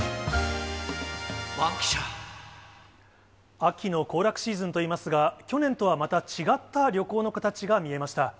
秋の行楽シーズンといいますか、去年とはまた違った旅行の形が見えました。